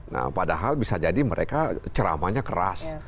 nah padahal bisa jadi mereka ceramahnya keras